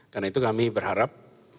karena itu kami berharap